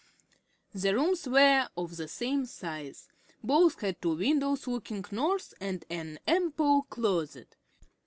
The rooms were of the same size. Both had two windows looking north and an ample closet.